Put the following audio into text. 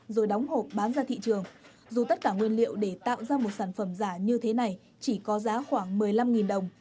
rồi đóng hộp bán ra thị trường dù tất cả nguyên liệu để tạo ra một sản phẩm giả như thế này chỉ có giá khoảng một mươi năm đồng